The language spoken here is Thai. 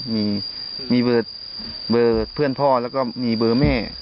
มีเบอร์เพื่อนพ่อแล้วก็มีเบอร์แม่